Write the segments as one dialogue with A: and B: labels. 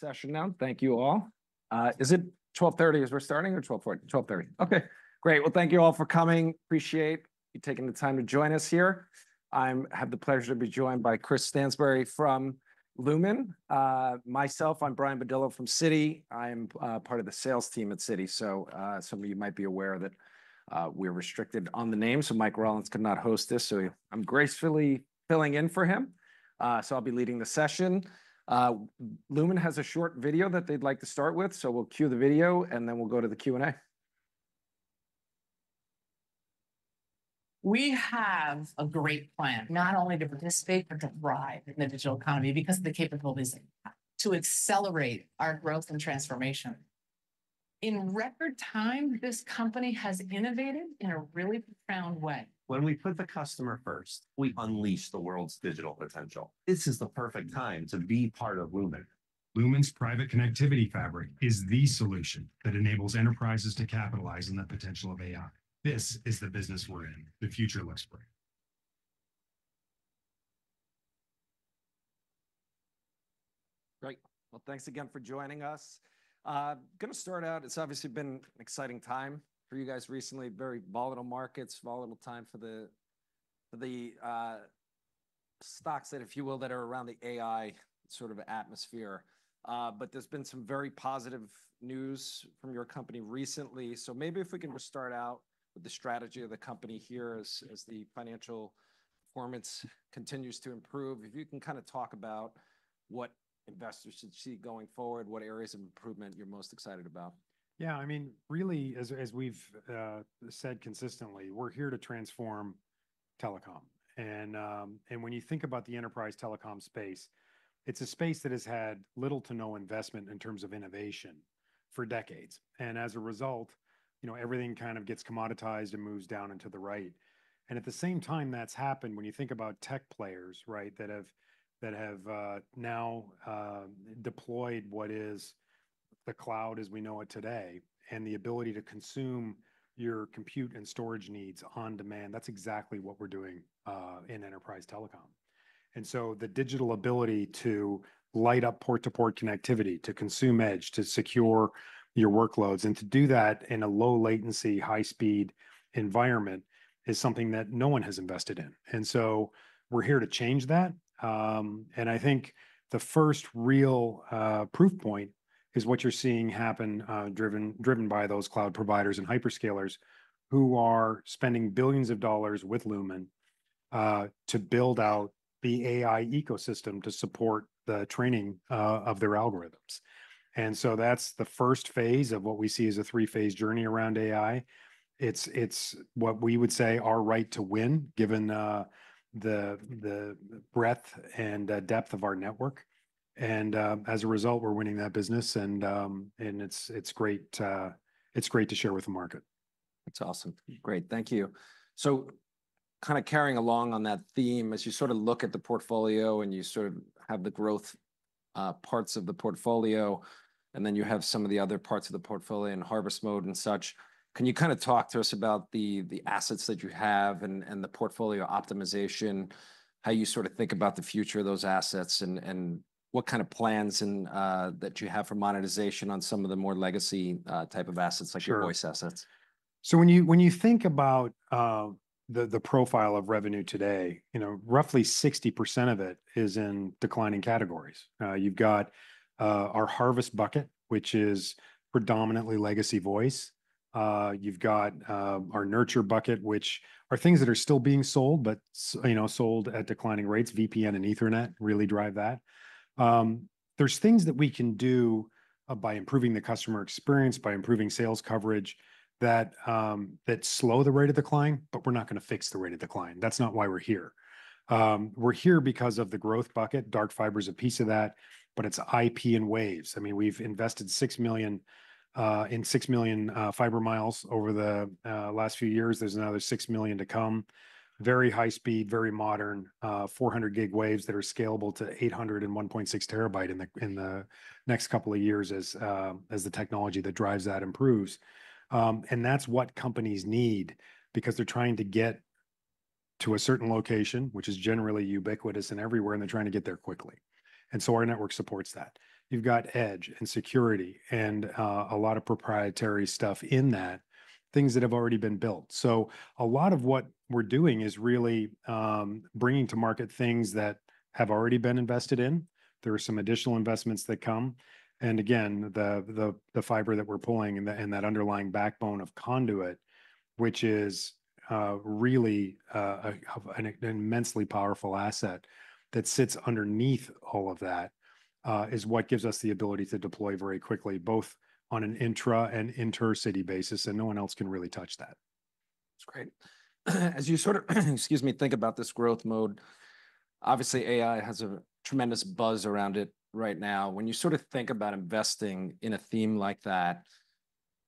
A: Session now. Thank you all. Is it 12:30 P.M. as we're starting, or 12:40 P.M.? 12:30 P.M. Okay, great. Well, thank you all for coming. Appreciate you taking the time to join us here. I have the pleasure to be joined by Chris Stansbury from Lumen. Myself, I'm Brian Badillo from Citi. I'm part of the sales team at Citi, so some of you might be aware that we're restricted on the name, so Mike Rollins could not host this, so I'm gracefully filling in for him. So I'll be leading the session. Lumen has a short video that they'd like to start with, so we'll cue the video, and then we'll go to the Q&A. We have a great plan, not only to participate but to thrive in the digital economy because of the capabilities to accelerate our growth and transformation. In record time, this company has innovated in a really profound way. When we put the customer first, we unleash the world's digital potential. This is the perfect time to be part of Lumen. Lumen's Private Connectivity Fabric is the solution that enables enterprises to capitalize on the potential of AI. This is the business we're in. The future looks bright. Great. Well, thanks again for joining us. Gonna start out, it's obviously been an exciting time for you guys recently. Very volatile markets, volatile time for the stocks that, if you will, that are around the AI sort of atmosphere, but there's been some very positive news from your company recently, so maybe if we can just start out with the strategy of the company here as the financial performance continues to improve. If you can kind of talk about what investors should see going forward, what areas of improvement you're most excited about.
B: Yeah, I mean, really, as we've said consistently, we're here to transform telecom. And when you think about the enterprise telecom space, it's a space that has had little to no investment in terms of innovation for decades. And as a result, you know, everything kind of gets commoditized and moves down and to the right. And at the same time that's happened, when you think about tech players, right, that have now deployed what is the cloud as we know it today, and the ability to consume your compute and storage needs on demand, that's exactly what we're doing in enterprise telecom. And so the digital ability to light up port-to-port connectivity, to consume edge, to secure your workloads, and to do that in a low-latency, high-speed environment, is something that no one has invested in. And so we're here to change that. I think the first real proof point is what you're seeing happen, driven by those cloud providers and hyperscalers, who are spending billions of dollars with Lumen to build out the AI ecosystem to support the training of their algorithms. And so that's the first phase of what we see as a three-phase journey around AI. It's what we would say our right to win, given the breadth and depth of our network. And as a result, we're winning that business, and it's great to share with the market.
A: That's awesome. Great, thank you. So kind of carrying along on that theme, as you sort of look at the portfolio, and you sort of have the growth parts of the portfolio, and then you have some of the other parts of the portfolio in harvest mode and such, can you kind of talk to us about the assets that you have and the portfolio optimization, how you sort of think about the future of those assets, and what kind of plans and that you have for monetization on some of the more legacy type of assets?
B: Sure...
A: like your voice assets?
B: So when you think about the profile of revenue today, you know, roughly 60% of it is in declining categories. You've got our harvest bucket, which is predominantly legacy voice. You've got our nurture bucket, which are things that are still being sold but, you know, sold at declining rates. VPN and Ethernet really drive that. There are things that we can do by improving the customer experience, by improving sales coverage, that slow the rate of decline, but we're not gonna fix the rate of decline. That's not why we're here. We're here because of the growth bucket. Dark fiber is a piece of that, but it's IP and waves. I mean, we've invested in 6 million fiber miles over the last few years. There's another 6 million to come. Very high speed, very modern, 400 gig waves that are scalable to 800 and 1.6 terabit in the next couple of years as the technology that drives that improves. And that's what companies need, because they're trying to get to a certain location, which is generally ubiquitous and everywhere, and they're trying to get there quickly. And so, our network supports that. You've got edge and security and a lot of proprietary stuff in that, things that have already been built. So, a lot of what we're doing is really bringing to market things that have already been invested in. There are some additional investments that come. And again, the fiber that we're pulling and that underlying backbone of conduit, which is really an immensely powerful asset that sits underneath all of that, is what gives us the ability to deploy very quickly, both on an intra and intercity basis, and no one else can really touch that.
A: That's great. As you sort of, excuse me, think about this growth mode, obviously, AI has a tremendous buzz around it right now. When you sort of think about investing in a theme like that,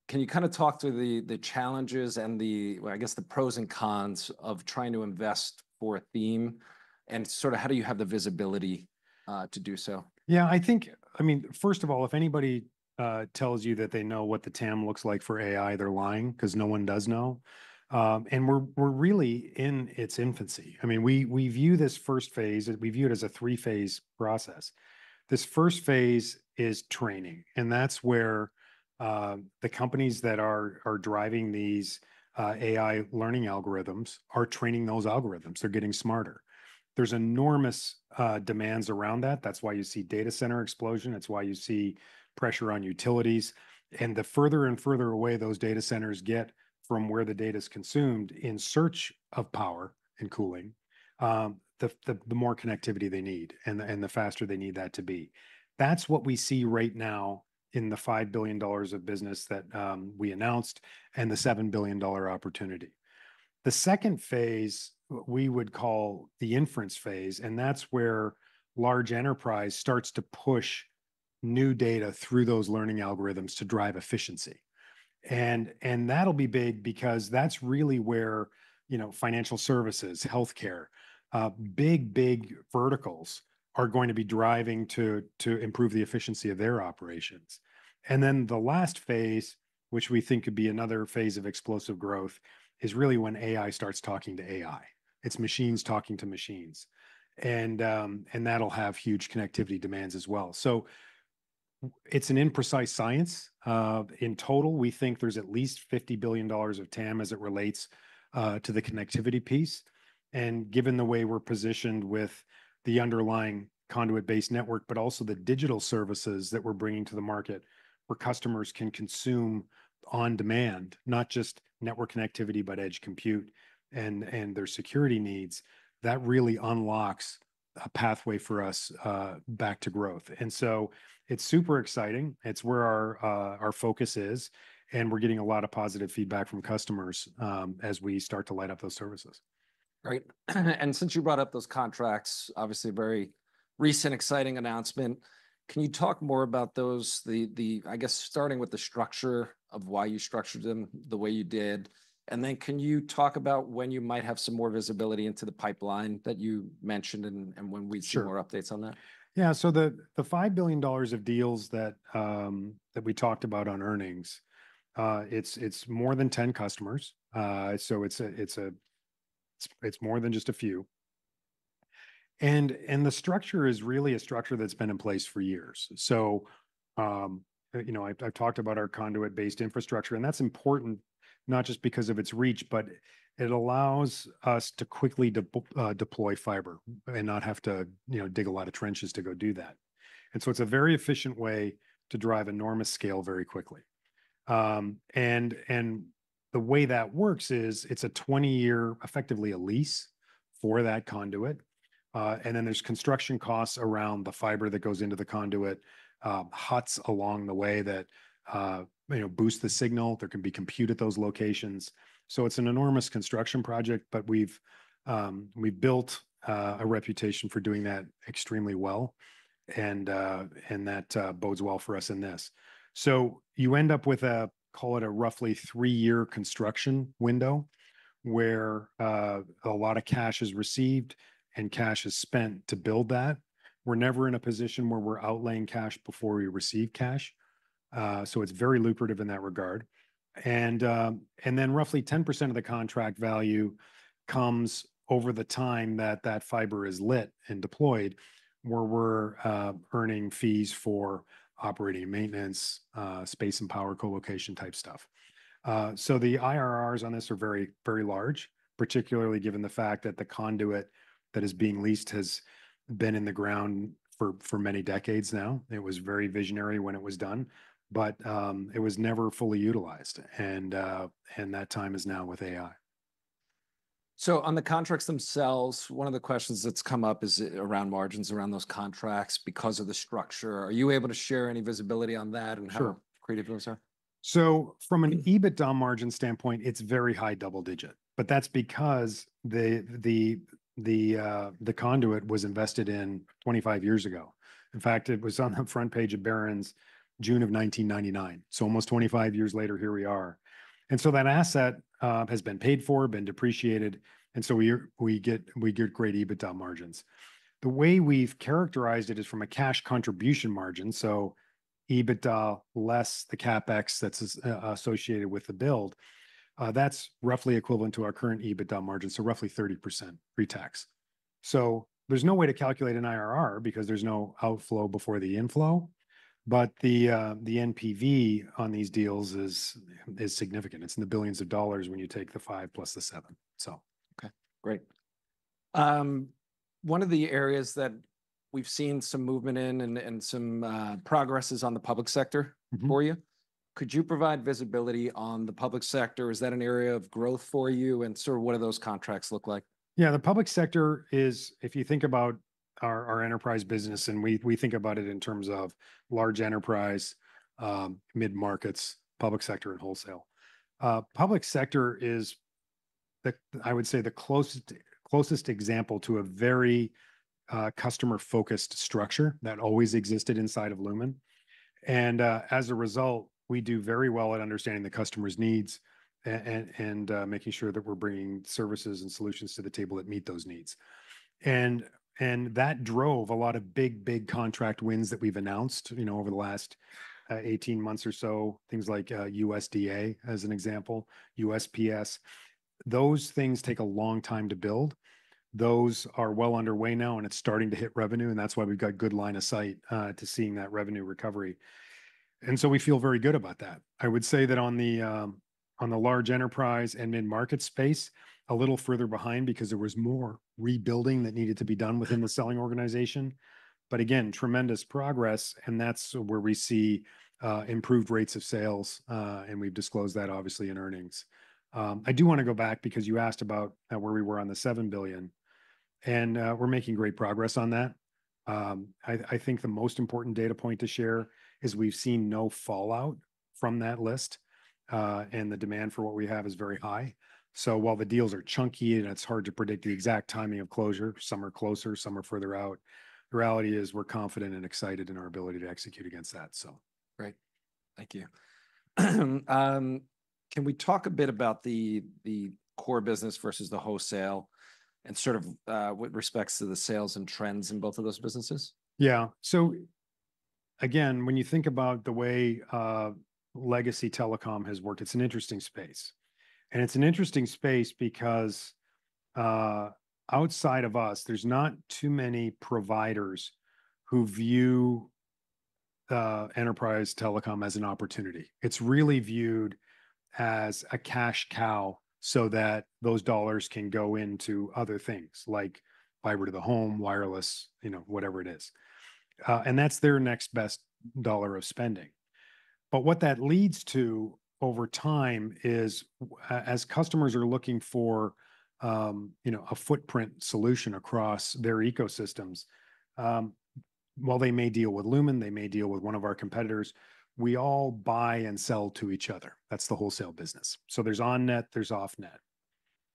A: can you kind of talk through the challenges and the, well, I guess the pros and cons of trying to invest for a theme, and sort of how do you have the visibility to do so?
B: Yeah, I think... I mean, first of all, if anybody tells you that they know what the TAM looks like for AI, they're lying, 'cause no one does know. And we're really in its infancy. I mean, we view this first phase, we view it as a three-phase process. This first phase is training, and that's where the companies that are driving AI learning algorithms are training those algorithms. They're getting smarter. There's enormous demands around that. That's why you see data center explosion, that's why you see pressure on utilities. And the further and further away those data centers get from where the data consumed in search of power and cooling, the more connectivity they need, and the faster they need that to be. That's what we see right now in the $5 billion of business that we announced and the $7 billion opportunity. The second phase, what we would call the inference phase, and that's where large enterprise starts to push new data through those learning algorithms to drive efficiency. And that'll be big because that's really where, you know, financial services, healthcare, big, big verticals are going to be driving to improve the efficiency of their operations. And then the last phase, which we think could be another phase of explosive growth, is really when AI starts talking to AI. It's machines talking to machines, and that'll have huge connectivity demands as well. It's an imprecise science. In total, we think there's at least $50 billion of TAM as it relates to the connectivity piece, and given the way we're positioned with the underlying conduit-based network, but also the digital services that we're bringing to the market, where customers can consume on demand, not just network connectivity, but edge compute and their security needs, that really unlocks a pathway for us back to growth, and so it's super exciting. It's where our focus is, and we're getting a lot of positive feedback from customers as we start to light up those services.
A: Right. And since you brought up those contracts, obviously a very recent exciting announcement, can you talk more about those, I guess starting with the structure of why you structured them the way you did? And then can you talk about when you might have some more visibility into the pipeline that you mentioned and when we'd-
B: Sure...
A: see more updates on that?
B: Yeah, so the $5 billion of deals that we talked about on earnings, it's more than 10 customers, so it's more than just a few, and the structure is really a structure that's been in place for years, so you know, I've talked about our conduit-based infrastructure, and that's important not just because of its reach, but it allows us to quickly deploy fiber and not have to you know dig a lot of trenches to go do that, and so it's a very efficient way to drive enormous scale very quickly, and the way that works is it's a 20-year effectively a lease for that conduit, and then there's construction costs around the fiber that goes into the conduit, huts along the way that you know boost the signal. There can be compute at those locations. So, it's an enormous construction project, but we've built a reputation for doing that extremely well, and that bodes well for us in this. So, you end up with a, call it, a roughly three-year construction window, where a lot of cash is received and cash is spent to build that. We're never in a position where we're outlaying cash before we receive cash. So, it's very lucrative in that regard. And then roughly 10% of the contract value comes over the time that that fiber is lit and deployed, where we're earning fees for operating and maintenance, space and power colocation-type stuff. So, the IRRs on this are very, very large, particularly given the fact that the conduit that is being leased has been in the ground for many decades now. It was very visionary when it was done, but it was never fully utilized, and that time is now with AI.
A: So on the contracts themselves, one of the questions that's come up is around margins around those contracts because of the structure. Are you able to share any visibility on that and how-
B: Sure...
A: creative those are?
B: So, from an EBITDA margin standpoint, it's very high double digit, but that's because the conduit was invested in 25 years ago. In fact, it was on the front page of Barron's June of 1999. So almost 25 years later, here we are. And so that asset has been paid for, been depreciated, and so we get great EBITDA margins. The way we've characterized it is from a cash contribution margin, so EBITDA less the CapEx that's associated with the build, that's roughly equivalent to our current EBITDA margin, so roughly 30% pre-tax. So, there's no way to calculate an IRR because there's no outflow before the inflow, but the NPV on these deals is significant. It's in the billions of dollars when you take the five plus the seven. So...
A: Okay, great. One of the areas that we've seen some movement in, and some progress is on the public sector.... for you. Could you provide visibility on the public sector? Is that an area of growth for you, and sort of what do those contracts look like?
B: Yeah, the public sector is, if you think about our enterprise business, and we think about it in terms of large enterprise, mid-markets, public sector, and wholesale. Public sector is, I would say, the closest example to a very customer-focused structure that always existed inside of Lumen. And, as a result, we do very well at understanding the customer's needs and making sure that we're bringing services and solutions to the table that meet those needs. And that drove a lot of big contract wins that we've announced, you know, over the last 18 months or so, things like USDA, as an example, USPS. Those things take a long time to build. Those are well underway now, and it's starting to hit revenue, and that's why we've got good line of sight to seeing that revenue recovery, and so we feel very good about that. I would say that on the large enterprise and mid-market space, a little further behind because there was more rebuilding that needed to be done within the selling organization, but again, tremendous progress, and that's where we see improved rates of sales, and we've disclosed that obviously in earnings. I do wanna go back because you asked about where we were on the $7 billion, and we're making great progress on that. I think the most important data point to share is we've seen no fallout from that list, and the demand for what we have is very high. So, while the deals are chunky and it's hard to predict the exact timing of closure, some are closer, some are further out, the reality is we're confident and excited in our ability to execute against that, so.
A: Great. Thank you. Can we talk a bit about the core business versus the wholesale and sort of with respect to the sales and trends in both of those businesses?
B: Yeah. So again, when you think about the way legacy telecom has worked, it's an interesting space. And it's an interesting space because outside of us, there's not too many providers who view enterprise telecom as an opportunity. It's really viewed as a cash cow so that those dollars can go into other things, like fiber to the home, wireless, you know, whatever it is. And that's their next best dollar of spending. But what that leads to over time is as customers are looking for, you know, a footprint solution across their ecosystems, while they may deal with Lumen, they may deal with one of our competitors, we all buy and sell to each other. That's the wholesale business. So there's on-net, there's off-net.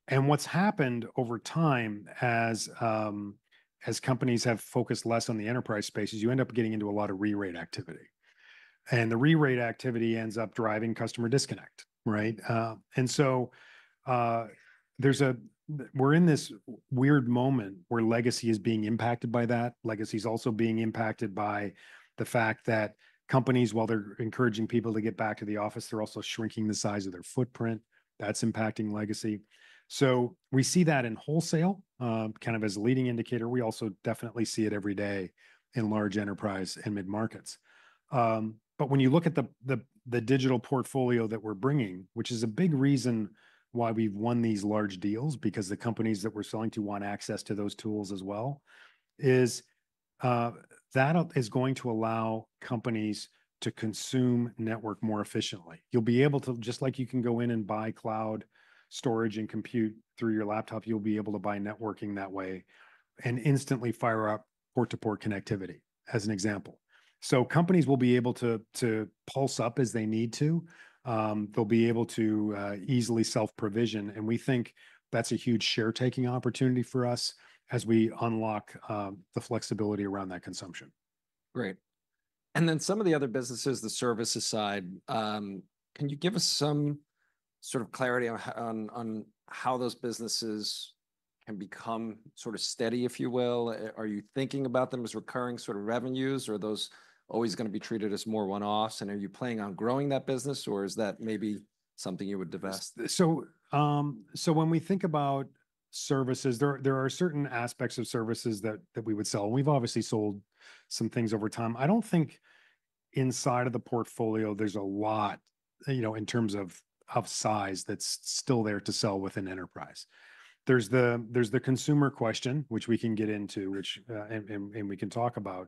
B: What's happened over time as companies have focused less on the enterprise space is you end up getting into a lot of re-rate activity. And the re-rate activity ends up driving customer disconnect, right? And so we're in this weird moment where legacy is being impacted by that. Legacy's also being impacted by the fact that companies, while they're encouraging people to get back to the office, they're also shrinking the size of their footprint. That's impacting legacy. So, we see that in wholesale kind of as a leading indicator. We also definitely see it every day in large enterprise and mid-markets. But when you look at the digital portfolio that we're bringing, which is a big reason why we've won these large deals, because the companies that we're selling to want access to those tools as well, that is going to allow companies to consume network more efficiently. You'll be able to, just like you can go in and buy cloud storage and compute through your laptop, you'll be able to buy networking that way and instantly fire up port-to-port connectivity, as an example. So companies will be able to pulse up as they need to. They'll be able to easily self-provision, and we think that's a huge sharetaking opportunity for us as we unlock the flexibility around that consumption.
A: Great. And then some of the other businesses, the services side, can you give us some sort of clarity on how those businesses can become sort of steady, if you will? Are you thinking about them as recurring sort of revenues, or are those always gonna be treated as more one-offs, and are you planning on growing that business, or is that maybe something you would divest?
B: So so when we think about services, there are certain aspects of services that we would sell, and we've obviously sold some things over time. I don't think inside of the portfolio there's a lot, you know, in terms of, of size, that's still there to sell within enterprise. There's the consumer question, which we can get into, which and we can talk about,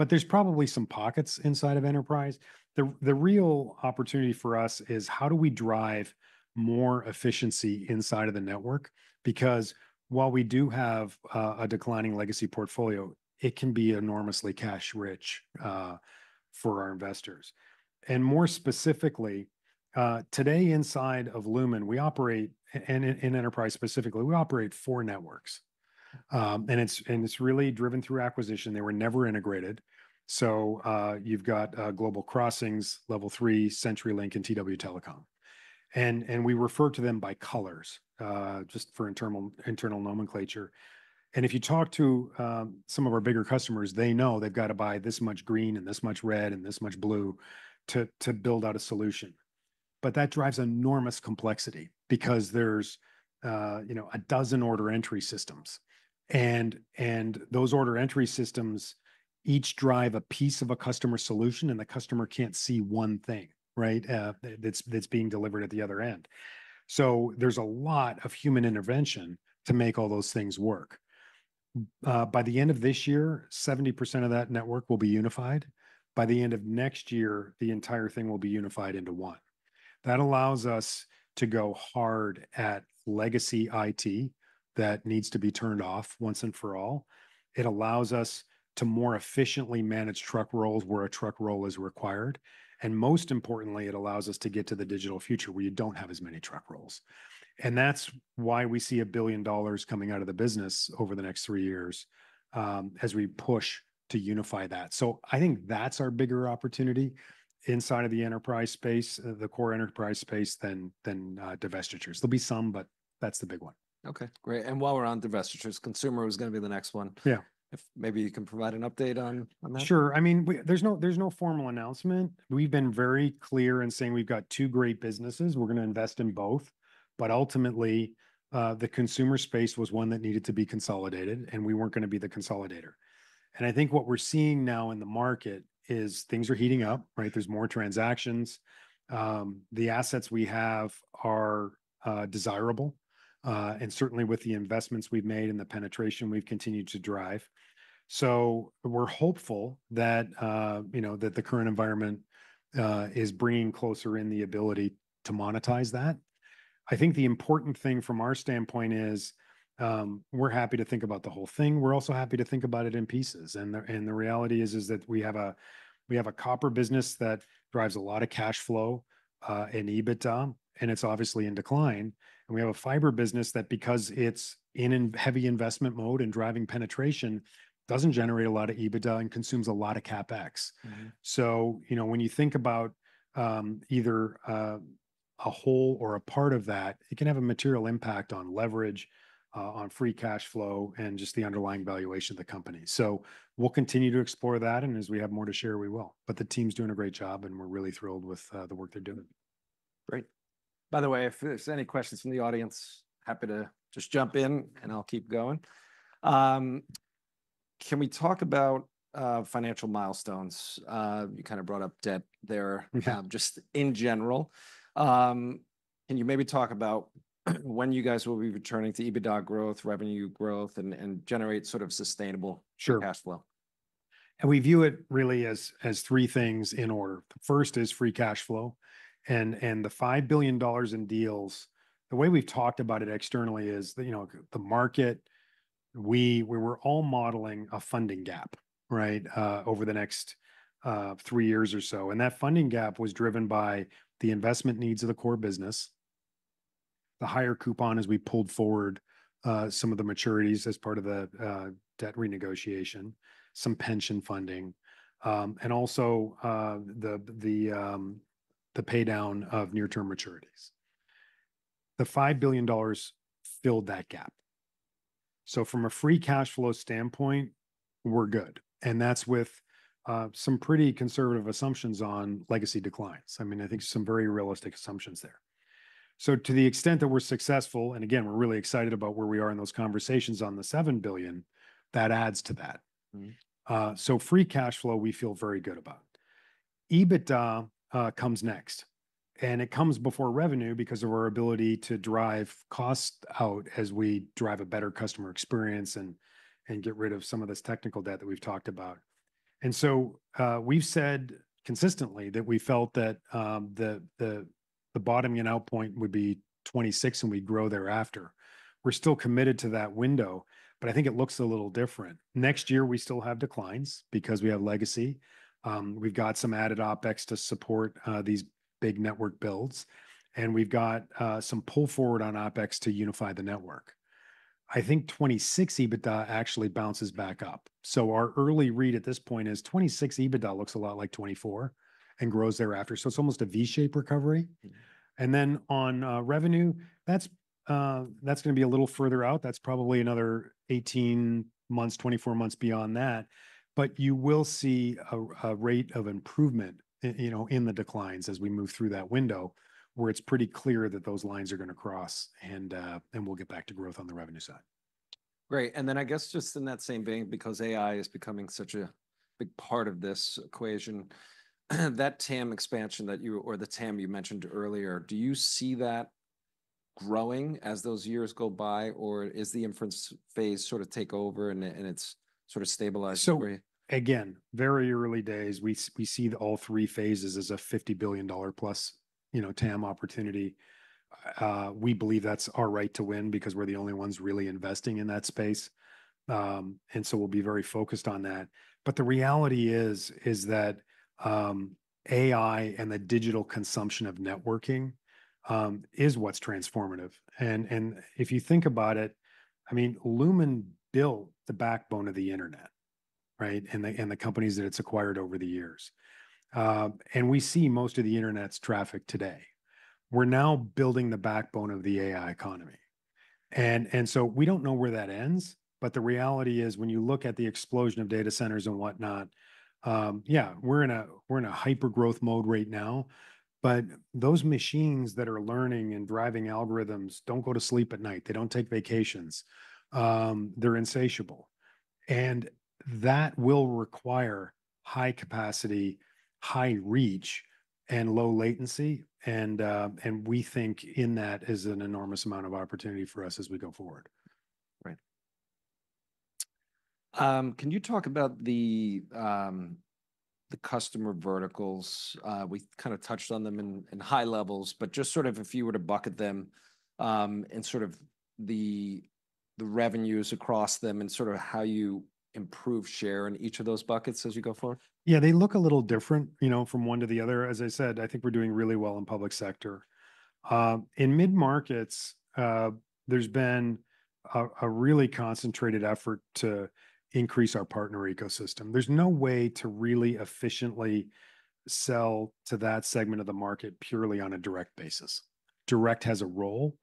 B: but there's probably some pockets inside of enterprise. The real opportunity for us is: how do we drive more efficiency inside of the network? Because while we do have a declining legacy portfolio, it can be enormously cash rich for our investors. And more specifically, today inside of Lumen, we operate in enterprise specifically, we operate four networks. And it's really driven through acquisition. They were never integrated, so you've got Global Crossing, Level 3, CenturyLink, and tw telecom. And we refer to them by colors just for internal nomenclature. And if you talk to some of our bigger customers, they know they've got to buy this much green and this much red and this much blue to build out a solution. But that drives enormous complexity because there's you know a dozen order entry systems, and those order entry systems each drive a piece of a customer solution, and the customer can't see one thing, right, that's being delivered at the other end. So, there's a lot of human intervention to make all those things work. By the end of this year, 70% of that network will be unified. By the end of next year, the entire thing will be unified into one. That allows us to go hard at legacy IT that needs to be turned off once and for all. It allows us to more efficiently manage truck rolls where a truck roll is required, and most importantly, it allows us to get to the digital future where you don't have as many truck rolls. And that's why we see $1 billion coming out of the business over the next three years, as we push to unify that. So I think that's our bigger opportunity inside of the enterprise space, the core enterprise space, than divestitures. There'll be some, but that's the big one.
A: Okay, great. And while we're on divestitures, consumer was gonna be the next one.
B: Yeah.
A: If maybe you can provide an update on that?
B: Sure. I mean, there's no formal announcement. We've been very clear in saying we've got two great businesses, we're gonna invest in both, but ultimately, the consumer space was one that needed to be consolidated, and we weren't gonna be the consolidator, and I think what we're seeing now in the market is things are heating up, right? There's more transactions. The assets we have are desirable, and certainly with the investments we've made and the penetration we've continued to drive, so we're hopeful that, you know, that the current environment is bringing closer in the ability to monetize that. I think the important thing from our standpoint is, we're happy to think about the whole thing. We're also happy to think about it in pieces. The reality is that we have a copper business that drives a lot of cash flow and EBITDA, and it's obviously in decline. We have a fiber business that, because it's in heavy investment mode and driving penetration, doesn't generate a lot of EBITDA and consumes a lot of CapEx. So, you know, when you think about either a whole or a part of that, it can have a material impact on leverage, on free cash flow, and just the underlying valuation of the company. So, we'll continue to explore that, and as we have more to share, we will. But the team's doing a great job, and we're really thrilled with the work they're doing.
A: Great. By the way, if there's any questions from the audience, happy to just jump in and I'll keep going. Can we talk about financial milestones? You kind of brought up debt there. Just in general, can you maybe talk about when you guys will be returning to EBITDA growth, revenue growth, and generate sort of sustainable-
B: Sure...
A: cash flow?
B: And we view it really as three things in order. The first is free cash flow, and the $5 billion in deals, the way we've talked about it externally is that, you know, the market, we were all modeling a funding gap, right, over the next three years or so. And that funding gap was driven by the investment needs of the core business, the higher coupon as we pulled forward some of the maturities as part of the debt renegotiation, some pension funding, and also the paydown of near-term maturities. The $5 billion filled that gap. So, from a free cash flow standpoint, we're good, and that's with some pretty conservative assumptions on legacy declines. I mean, I think some very realistic assumptions there. So, to the extent that we're successful, and again, we're really excited about where we are in those conversations on the $7 billion, that adds to that.
A: Mm-hmm.
B: So free cash flow, we feel very good about. EBITDA comes next, and it comes before revenue because of our ability to drive costs out as we drive a better customer experience and get rid of some of this technical debt that we've talked about. And so, we've said consistently that we felt that the bottoming out point would be 2026, and we'd grow thereafter. We're still committed to that window, but I think it looks a little different. Next year, we still have declines because we have legacy. We've got some added OpEx to support these big network builds, and we've got some pull forward on OpEx to unify the network. I think 2026 EBITDA actually bounces back up. Our early read at this point is 2026 EBITDA looks a lot like 2024 and grows thereafter, so it's almost a V-shape recovery. And then on revenue, that's gonna be a little further out. That's probably another 18 months, 24 months beyond that. But you will see a rate of improvement in, you know, in the declines as we move through that window, where it's pretty clear that those lines are gonna cross, and we'll get back to growth on the revenue side.
A: Great, and then I guess just in that same vein, because AI is becoming such a big part of this equation, that TAM expansion that you or the TAM you mentioned earlier, do you see that growing as those years go by, or is the inference phase sort of take over and it, and it's sort of stabilized already?
B: So again, very early days. We see all three phases as a $50 billion plus, you know, TAM opportunity. We believe that's our right to win because we're the only ones really investing in that space. And so we'll be very focused on that. But the reality is that AI and the digital consumption of networking is what's transformative. And if you think about it, I mean, Lumen built the backbone of the internet, right? And the companies that it's acquired over the years. And we see most of the internet's traffic today. We're now building the backbone of the AI economy. And so we don't know where that ends, but the reality is, when you look at the explosion of data centers and whatnot, we're in a hyper-growth mode right now. But those machines that are learning and driving algorithms don't go to sleep at night. They don't take vacations. They're insatiable. And that will require high capacity, high reach, and low latency, and we think in that is an enormous amount of opportunity for us as we go forward.
A: Great, can you talk about the customer verticals? We kind of touched on them in high levels, but just sort of if you were to bucket them, and sort of the revenues across them and sort of how you improve share in each of those buckets as you go forward.
B: Yeah, they look a little different, you know, from one to the other. As I said, I think we're doing really well in public sector. In mid-markets, there's been a really concentrated effort to increase our partner ecosystem. There's no way to really efficiently sell to that segment of the market purely on a direct basis. Direct has a role,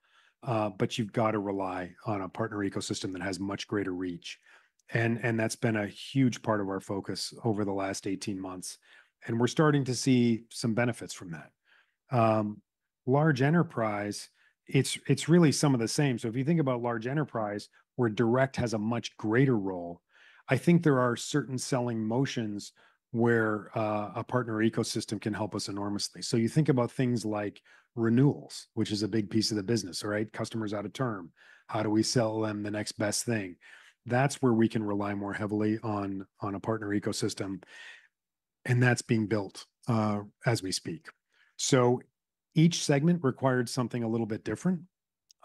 B: but you've got to rely on a partner ecosystem that has much greater reach, and that's been a huge part of our focus over the last 18 months, and we're starting to see some benefits from that. Large enterprise, it's really some of the same. So if you think about large enterprise, where direct has a much greater role, I think there are certain selling motions where a partner ecosystem can help us enormously. So you think about things like renewals, which is a big piece of the business, right? Customer's out of term, how do we sell them the next best thing? That's where we can rely more heavily on a partner ecosystem, and that's being built as we speak. So each segment required something a little bit different.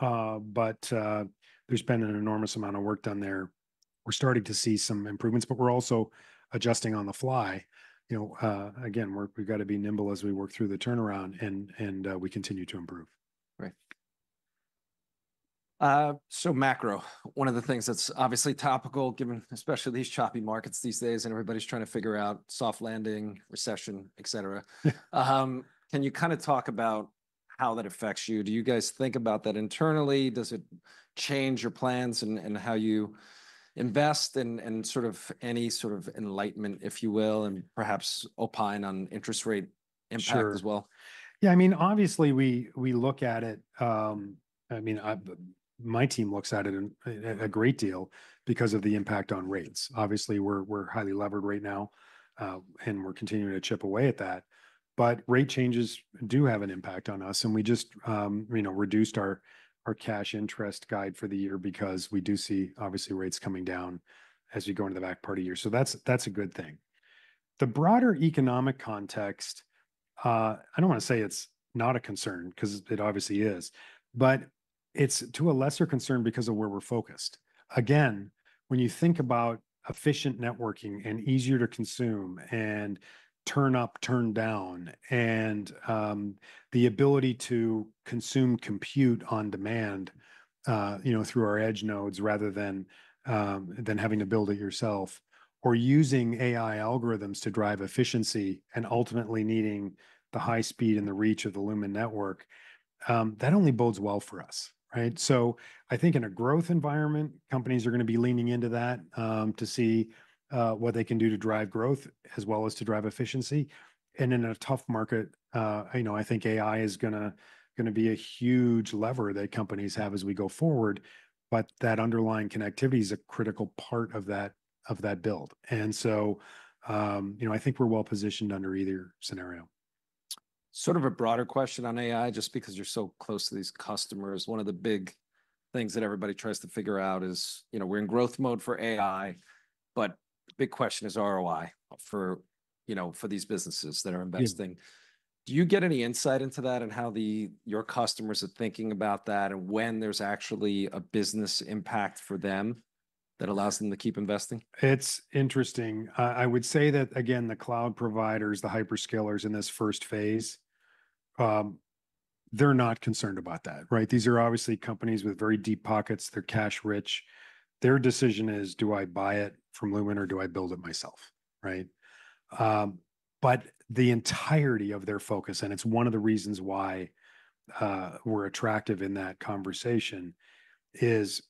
B: But there's been an enormous amount of work done there. We're starting to see some improvements, but we're also adjusting on the fly. You know, again, we've got to be nimble as we work through the turnaround, and we continue to improve.
A: Right. So macro, one of the things that's obviously topical, given especially these choppy markets these days, and everybody's trying to figure out soft landing, recession, et cetera. Can you kind of talk about how that affects you? Do you guys think about that internally? Does it change your plans and how you invest, and sort of any sort of enlightenment, if you will, and perhaps opine on interest rate impact as well?
B: Sure. Yeah, I mean, obviously we look at it. I mean, my team looks at it in a great deal because of the impact on rates. Obviously, we're highly levered right now, and we're continuing to chip away at that, but rate changes do have an impact on us, and we just, you know, reduced our cash interest guide for the year because we do see obviously rates coming down as you go into the back part of the year. So that's a good thing. The broader economic context, I don't want to say it's not a concern, 'cause it obviously is, but it's to a lesser concern because of where we're focused. Again, when you think about efficient networking and easier to consume and turn up, turn down, and the ability to consume compute on demand, you know, through our edge nodes rather than having to build it yourself, or using AI algorithms to drive efficiency and ultimately needing the high speed and the reach of the Lumen network, that only bodes well for us, right? So, I think in a growth environment, companies are going to be leaning into that, to see what they can do to drive growth as well as to drive efficiency. And in a tough market, you know, I think AI is going to be a huge lever that companies have as we go forward, but that underlying connectivity is a critical part of that build. And so, you know, I think we're well positioned under either scenario.
A: Sort of a broader question on AI, just because you're so close to these customers, one of the big things that everybody tries to figure out is, you know, we're in growth mode for AI, but the big question is ROI for, you know, for these businesses that are investing. Do you get any insight into that and how your customers are thinking about that, and when there's actually a business impact for them that allows them to keep investing?
B: It's interesting. I would say that, again, the cloud providers, the hyperscalers in this first phase, they're not concerned about that, right? These are obviously companies with very deep pockets. They're cash rich. Their decision is: Do I buy it from Lumen, or do I build it myself, right? But the entirety of their focus, and it's one of the reasons why, we're attractive in that conversation, is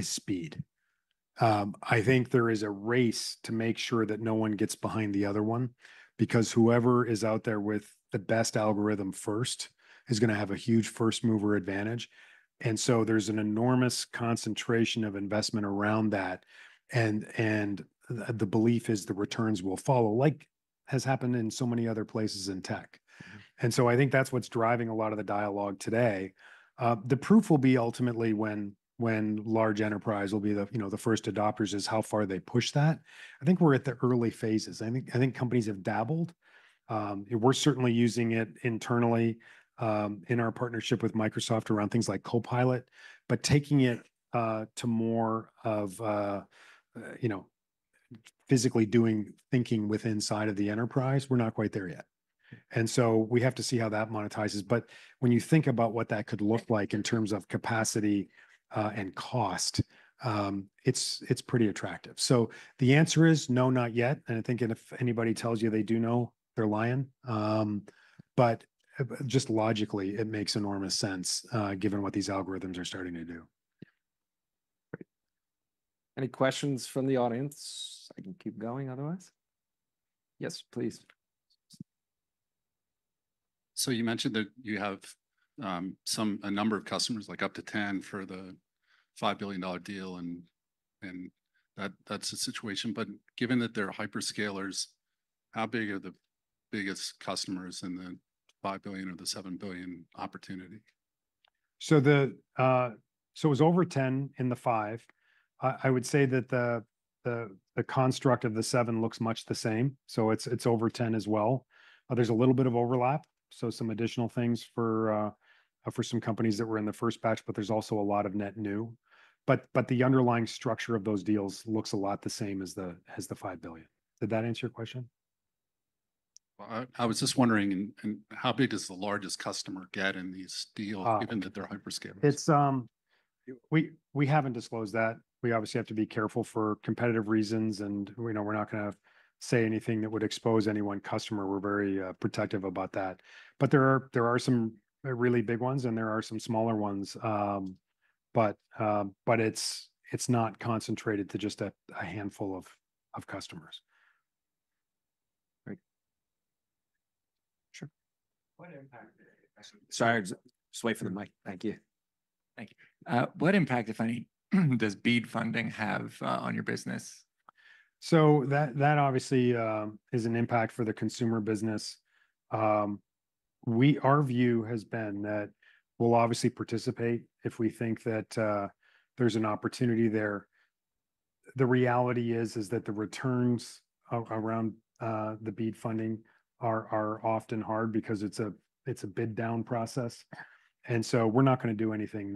B: speed. I think there is a race to make sure that no one gets behind the other one because whoever is out there with the best algorithm first is going to have a huge first-mover advantage. And so there's an enormous concentration of investment around that, and the belief is the returns will follow, like has happened in so many other places in tech. And so I think that's what's driving a lot of the dialogue today. The proof will be ultimately when large enterprise will be the, you know, the first adopters, is how far they push that. I think we're at the early phases. I think companies have dabbled. We're certainly using it internally, in our partnership with Microsoft around things like Copilot, but taking it to more of, you know, physically doing thinking with inside of the enterprise, we're not quite there yet, and so we have to see how that monetizes. But when you think about what that could look like in terms of capacity and cost, it's pretty attractive. So the answer is no, not yet, and I think if anybody tells you they do know, they're lying. But just logically, it makes enormous sense, given what these algorithms are starting to do.
A: Great. Any questions from the audience? I can keep going otherwise. Yes, please. You mentioned that you have a number of customers, like up to 10, for the $5 billion deal, and that that's the situation. Given that they're hyperscalers, how big are the biggest customers in the $5 billion or the $7 billion opportunity?...
B: So it's over 10 in the 5. I would say that the construct of the 7 looks much the same, so it's over 10 as well. There's a little bit of overlap, so some additional things for some companies that were in the first batch, but there's also a lot of net new. But the underlying structure of those deals looks a lot the same as the $5 billion. Did that answer your question? I was just wondering, and how big does the largest customer get in these deals? Ah. Given that they're hyperscalers? It's. We haven't disclosed that. We obviously have to be careful for competitive reasons, and, you know, we're not going to say anything that would expose any one customer. We're very protective about that. But there are some really big ones, and there are some smaller ones, but it's not concentrated to just a handful of customers. Great. Sure. Sorry, just wait for the mic. Thank you. Thank you. What impact, if any, does BEAD funding have on your business? So that obviously is an impact for the consumer business. Our view has been that we'll obviously participate if we think that there's an opportunity there. The reality is that the returns around the BEAD funding are often hard because it's a bid down process, and so we're not going to do anything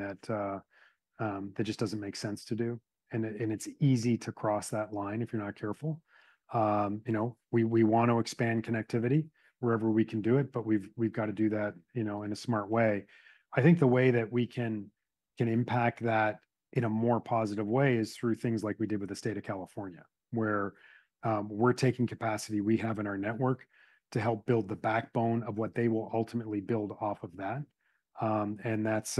B: that just doesn't make sense to do. And it's easy to cross that line if you're not careful. You know, we want to expand connectivity wherever we can do it, but we've got to do that, you know, in a smart way. I think the way that we can impact that in a more positive way is through things like we did with the state of California, where we're taking capacity we have in our network to help build the backbone of what they will ultimately build off of that. And that's,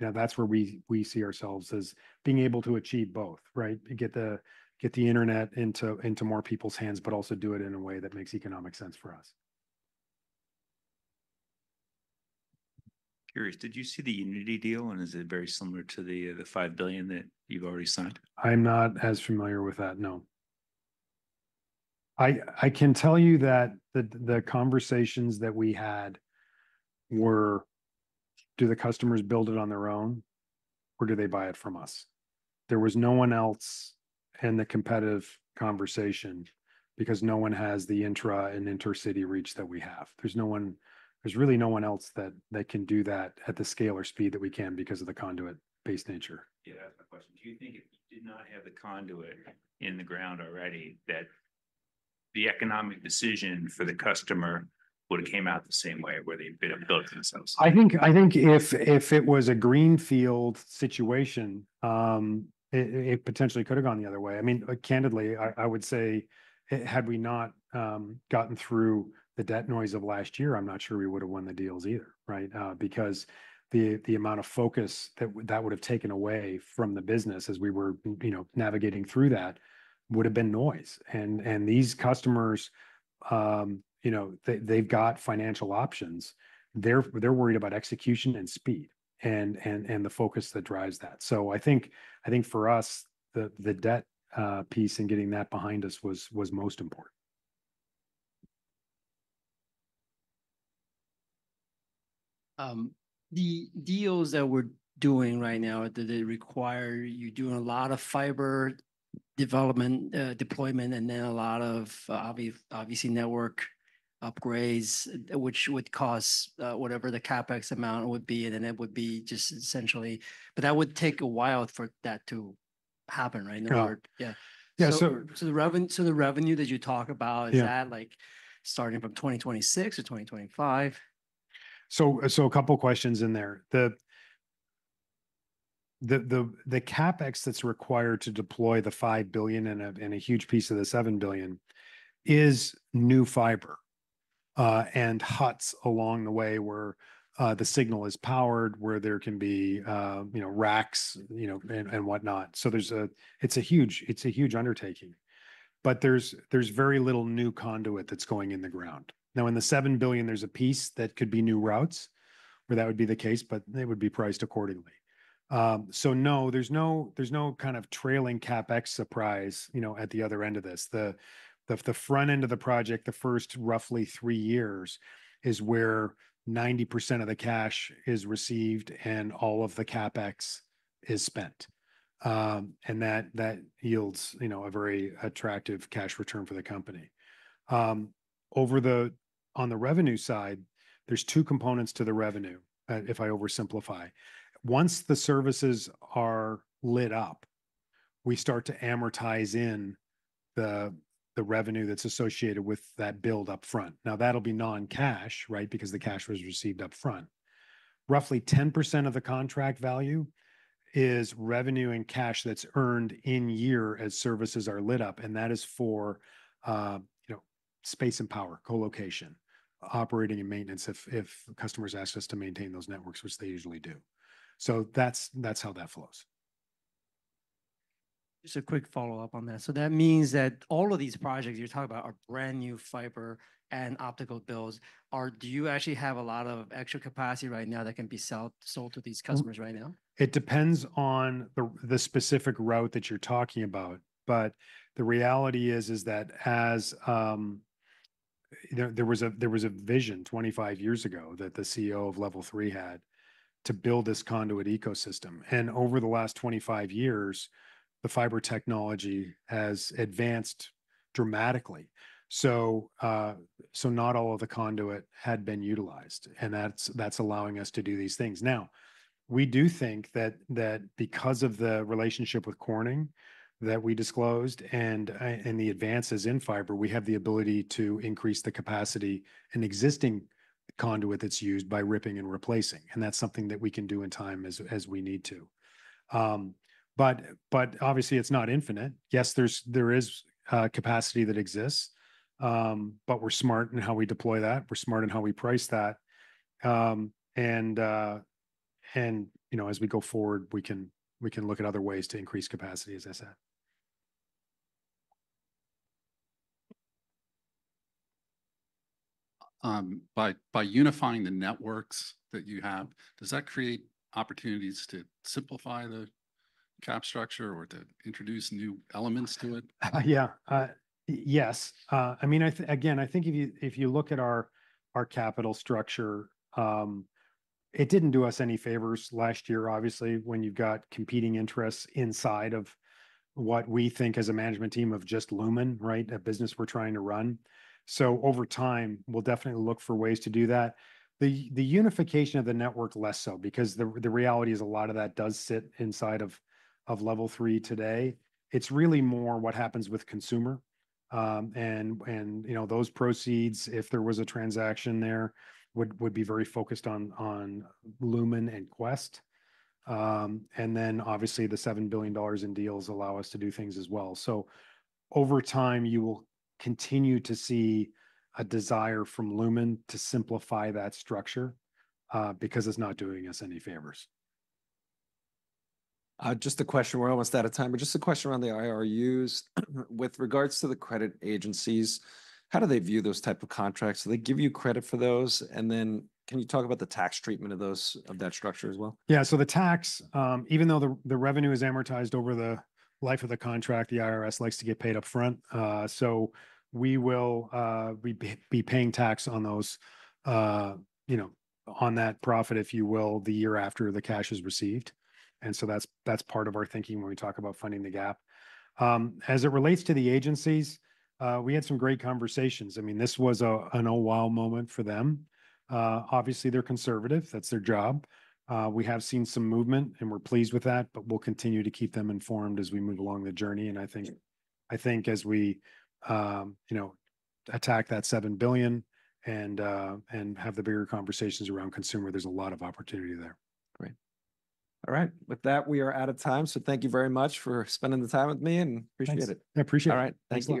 B: you know, that's where we see ourselves as being able to achieve both, right? To get the internet into more people's hands, but also do it in a way that makes economic sense for us. Curious, did you see the Uniti deal, and is it very similar to the $5 billion that you've already signed? I'm not as familiar with that, no. I can tell you that the conversations that we had were: Do the customers build it on their own, or do they buy it from us? There was no one else in the competitive conversation because no one has the intra and intercity reach that we have. There's no one. There's really no one else that can do that at the scale or speed that we can because of the conduit-based nature. Yeah, that's my question. Do you think if you did not have the conduit in the ground already, that the economic decision for the customer would have came out the same way, where they'd build it themselves? I think if it was a greenfield situation, it potentially could have gone the other way. I mean, candidly, I would say had we not gotten through the debt noise of last year, I'm not sure we would have won the deals either, right? Because the amount of focus that would've taken away from the business as we were, you know, navigating through that would've been noise, and these customers, you know, they've got financial options. They're worried about execution and speed, and the focus that drives that, so I think for us, the debt piece and getting that behind us was most important. The deals that we're doing right now, do they require you doing a lot of fiber development, deployment, and then a lot of obviously, network upgrades, which would cost whatever the CapEx amount would be, and then it would be just essentially... but that would take a while for that to happen, right? Correct. Yeah. Yeah, so- So the revenue that you talk about- Yeah... is that, like, starting from 2026 or 2025? So a couple questions in there. The CapEx that's required to deploy the $5 billion and a huge piece of the $7 billion is new fiber and huts along the way where the signal is powered, where there can be you know racks you know and whatnot. So it's a huge undertaking, but there's very little new conduit that's going in the ground. Now, in the $7 billion, there's a piece that could be new routes where that would be the case, but they would be priced accordingly. So no, there's no kind of trailing CapEx surprise you know at the other end of this. The front end of the project, the first roughly three years, is where 90% of the cash is received and all of the CapEx is spent, and that yields, you know, a very attractive cash return for the company. On the revenue side, there's two components to the revenue, if I oversimplify. Once the services are lit up, we start to amortize in the revenue that's associated with that build-up front. Now, that'll be non-cash, right? Because the cash was received upfront. Roughly 10% of the contract value is revenue and cash that's earned in year as services are lit up, and that is for, you know, space and power, colocation, operating and maintenance, if the customers ask us to maintain those networks, which they usually do. So that's how that flows. Just a quick follow-up on that. So that means that all of these projects you're talking about are brand-new fiber and optical builds. Do you actually have a lot of extra capacity right now that can be sold to these customers right now? It depends on the specific route that you're talking about. But the reality is that there was a vision 25 years ago that the CEO of Level 3 had to build this conduit ecosystem, and over the last 25 years, the fiber technology has advanced dramatically. So, so not all of the conduit had been utilized, and that's allowing us to do these things. Now, we do think that because of the relationship with Corning that we disclosed and the advances in fiber, we have the ability to increase the capacity in existing conduit that's used by ripping and replacing, and that's something that we can do in time as we need to. But obviously it's not infinite. Yes, there is capacity that exists, but we're smart in how we deploy that. We're smart in how we price that. You know, as we go forward, we can look at other ways to increase capacity, as I said. By unifying the networks that you have, does that create opportunities to simplify the CapEx structure or to introduce new elements to it? Yeah. Yes. I mean, again, I think if you look at our capital structure, it didn't do us any favors last year, obviously, when you've got competing interests inside of what we think as a management team of just Lumen, right? A business we're trying to run. So over time, we'll definitely look for ways to do that. The unification of the network, less so, because the reality is a lot of that does sit inside of Level 3 today. It's really more what happens with consumer. And, you know, those proceeds, if there was a transaction there, would be very focused on Lumen and Qwest. And then obviously the $7 billion in deals allow us to do things as well. So over time, you will continue to see a desire from Lumen to simplify that structure, because it's not doing us any favors.
A: Just a question. We're almost out of time, but just a question around the IRUs. With regards to the credit agencies, how do they view those type of contracts? Do they give you credit for those? And then can you talk about the tax treatment of those, of that structure as well?
B: Yeah, so the tax, even though the revenue is amortized over the life of the contract, the IRS likes to get paid upfront. So we will be paying tax on those, you know, on that profit, if you will, the year after the cash is received, and so that's part of our thinking when we talk about funding the gap. As it relates to the agencies, we had some great conversations. I mean, this was an oh, wow moment for them. Obviously they're conservative. That's their job. We have seen some movement, and we're pleased with that, but we'll continue to keep them informed as we move along the journey. I think as we, you know, attack that $7 billion and have the bigger conversations around consumer, there's a lot of opportunity there.
A: Great. All right, with that, we are out of time, so thank you very much for spending the time with me, and appreciate it.
B: Thanks. I appreciate it.
A: All right. Thanks a lot.